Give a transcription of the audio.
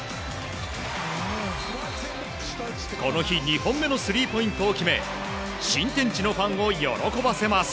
この日２本目のスリーポイントを決め新天地のファンを喜ばせます。